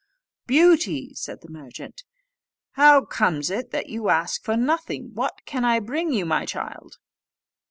"Beauty," said the merchant, "how comes it that you ask for nothing: what can I bring you, my child?"